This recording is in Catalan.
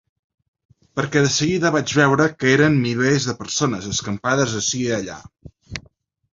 Perquè de seguida vaig veure que eren milers de persones, escampades ací i allà.